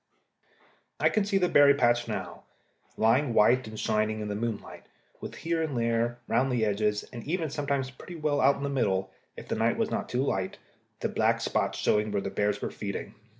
I can see the berry patch now, lying white and shining in the moonlight, with here and there round the edges, and even sometimes pretty well out into the middle, if the night was not too light, the black spots showing where the bears were feeding.